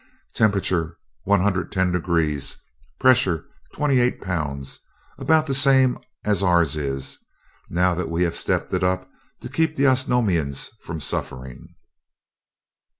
"Temperature, one hundred ten degrees. Pressure, twenty eight pounds about the same as ours is, now that we have stepped it up to keep the Osnomians from suffering."